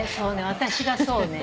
私がそうね。